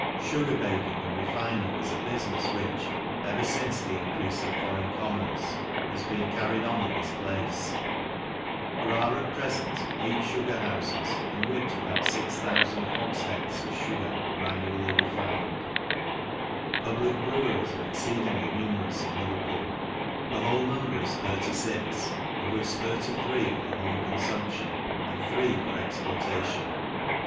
igar baking and refining is a bufinefs which, ever ice the increafe of foreign commerce, has been rried on in this place. There are at prefent eight gar houfes, in which about 6000 hogfheads of gar are afinually refined. Public breweries are ex edingly numerous in Leverpool ; the whole num fcis thirty fix, of which thirty three are for home nfumption, and three for exportation.